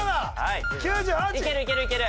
いけるいけるいける。